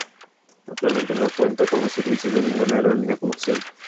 Actualmente no cuenta con los servicios de ninguna aerolínea comercial.